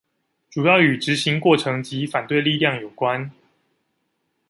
主要與執行過程及反對力量有關